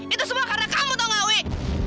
itu semua karena kamu tau nggak wuih